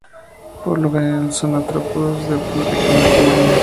Por lo general son artrópodos de muy pequeño tamaño.